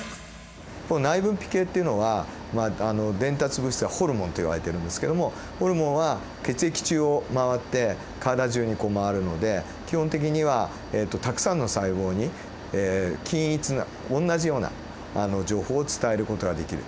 内分泌系っていうのは伝達物質やホルモンっていわれてるんですけどもホルモンは血液中を回って体中にこう回るので基本的にはたくさんの細胞に均一なおんなじような情報を伝える事ができる。